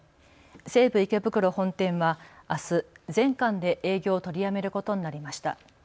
西武池袋本店はあす全館で営業を取りやめることになりました。